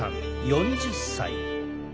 ４０歳。